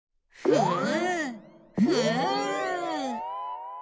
ふっ！